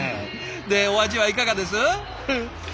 でお味はいかがです？